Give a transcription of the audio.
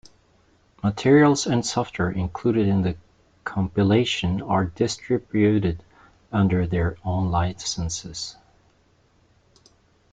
Materials and software included in the compilation are distributed under their own licenses.